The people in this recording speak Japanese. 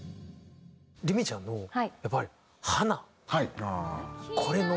りみちゃんのやっぱり『花』。